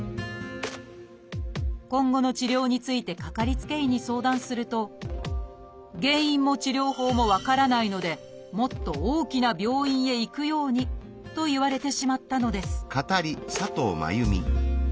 今後の治療についてかかりつけ医に相談すると「原因も治療法も分からないのでもっと大きな病院へ行くように」と言われてしまったのです